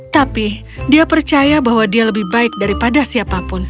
tapi dia percaya bahwa dia lebih baik daripada siapapun